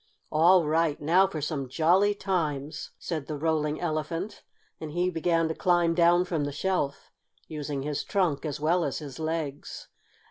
"All right, now for some jolly times!" said the Rolling Elephant, and he began to climb down from the shelf, using his trunk as well as his legs.